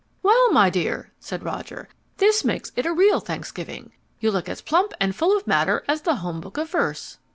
"Well, my dear," said Roger, "this makes it a real Thanksgiving. You look as plump and full of matter as The Home Book of Verse."